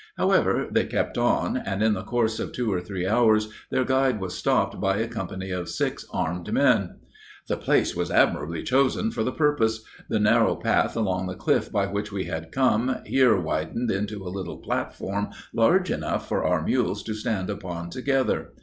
However, they kept on; and, in the course of two or three hours, their guide was stopped by a company of six armed men: "The place was admirably chosen for the purpose. The narrow path along the cliff by which we had come, here widened into a little platform large enough for our mules to stand upon together.